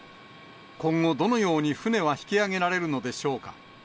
今後、どのように船は引き揚げられるのでしょうか。